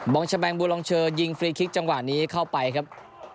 องชะแงงบูลองเชอร์ยิงฟรีคลิกจังหวะนี้เข้าไปครับ